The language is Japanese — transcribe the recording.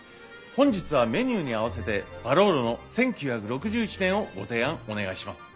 本日はメニューにあわせてバローロの１９６１年をご提案お願いします。